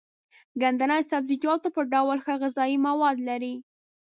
ګندنه د سبزيجاتو په ډول ښه غذايي مواد لري.